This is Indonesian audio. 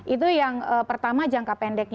itu yang pertama jangka pendeknya